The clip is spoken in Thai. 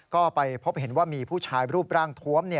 ก็ไปพบเห็นว่ามีผู้ชายรูปร่างทวม